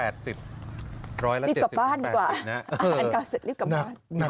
รีบกลับบ้านดีกว่า